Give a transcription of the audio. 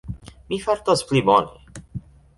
Mi fartas pli bone.